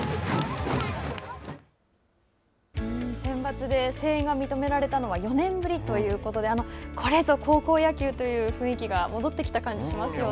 センバツで声援が認められたのは４年ぶりということで、これぞ高校野球という雰囲気が戻ってきた感じがしますよね。